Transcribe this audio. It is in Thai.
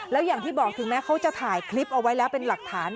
แล้วอย่างที่บอกถึงแม้เขาจะถ่ายคลิปเอาไว้แล้วเป็นหลักฐาน